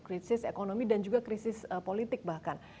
krisis ekonomi dan juga krisis politik bahkan